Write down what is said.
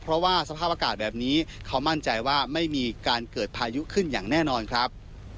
เพราะว่าสภาพอากาศแบบนี้เขามั่นใจว่าไม่มีการเกิดพายุขึ้นอย่างแน่นอนครับ